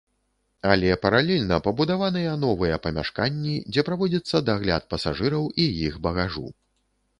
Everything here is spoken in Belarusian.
Але паралельна пабудаваныя новыя памяшканні, дзе праводзіцца дагляд пасажыраў і іх багажу.